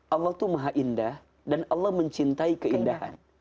allah tuh maha indah dan allah mencintai keindahan